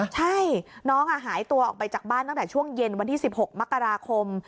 ใช่น้องหายตัวออกไปจากบ้านตั้งแต่ช่วงเย็นวันที่๑๖มกราคม